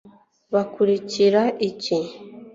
bakurikira iki